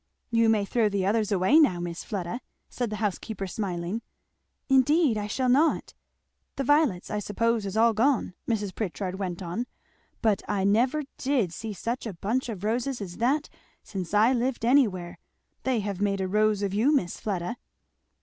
"You may throw the others away now, Miss Fleda," said the housekeeper smiling. "Indeed I shall not! " "The violets, I suppose, is all gone," Mrs. Pritchard went on; but I never did see such a bunch of roses as that since I lived anywhere. They have made a rose of you, Miss Fleda."